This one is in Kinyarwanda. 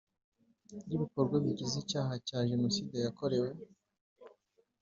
ry ibikorwa bigize icyaha cya Jenoside yakorewe